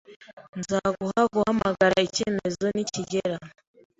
Nzaguha guhamagara icyemezo nikigera.